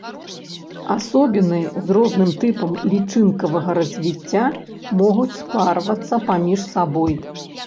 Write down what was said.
Асобіны з розным тыпам лічынкавага развіцця могуць спарвацца паміж сабой.